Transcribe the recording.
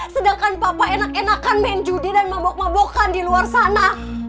sedangkan papa enak enakan main judi dan mobok mobokan di luar sana